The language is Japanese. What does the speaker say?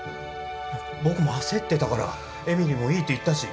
ぼ僕も焦ってたからえみりもいいって言ったし。